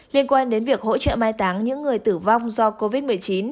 liên quan đến việc hỗ trợ mai táng những người tử vong do covid một mươi chín